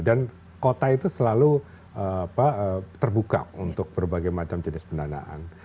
dan kota itu selalu terbuka untuk berbagai macam jenis pendanaan